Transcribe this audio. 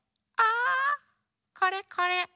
あこれこれ。